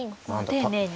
丁寧に。